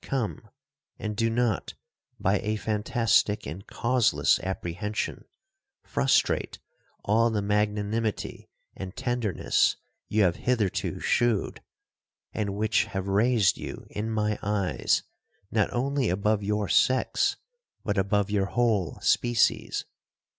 Come, and do not, by a fantastic and causeless apprehension, frustrate all the magnanimity and tenderness you have hitherto shewed, and which have raised you in my eyes not only above your sex, but above your whole species.